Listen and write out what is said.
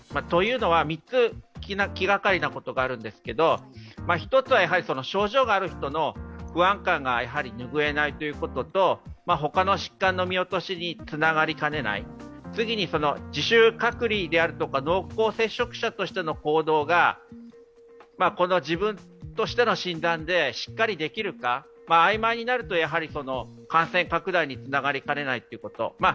というのは、３つ気がかりなことがあるんですけど、１つは症状がある人の不安感が拭えないということと、ほかの疾患の見落としにつながりかねない、次に自主隔離であるとか濃厚接触者としての行動が自分としての診断でしっかりできるか、曖昧になると感染拡大につながりかねないということ。